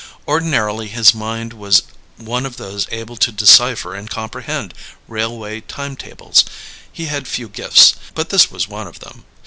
Ordinarily, his mind was one of those able to decipher and comprehend railway time tables; he had few gifts, but this was one of them.